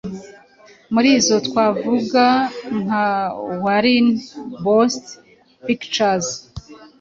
Muri izo twavuga nka Warner Bros Pictures,